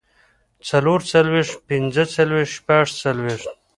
څلورويشت پنځويشت شپږويشت